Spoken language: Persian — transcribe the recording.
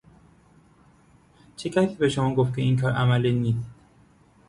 چه کسی به شما گفت که این کار عملی نیست.